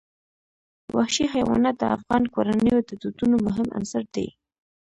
وحشي حیوانات د افغان کورنیو د دودونو مهم عنصر دی.